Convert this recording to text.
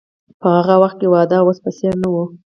په هغه وخت کې واده د اوس په څیر نه و.